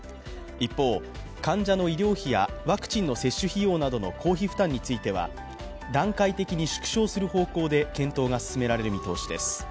一方、患者の医療費やワクチンの接種費用などの公費負担については段階的に縮小する方向で検討が進められる見通しです。